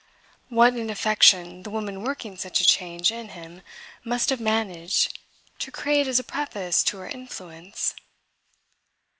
What an affection the woman working such a change in him must have managed to create as a preface to her influence!